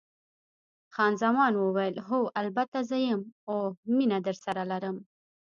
خان زمان وویل: هو، البته زه یم، اوه، مینه درسره لرم.